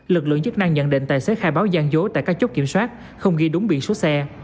lực lượng chức năng nhận định tài xế khai báo gian dối tại các chốt kiểm soát không ghi đúng biển số xe